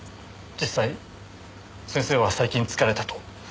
実際先生は最近疲れたと。